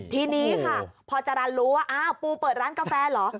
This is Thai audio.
ทีนี้ค่ะพอจารันรู้ว่าอ้าวปูเปิดร้านกาแฟเหรอ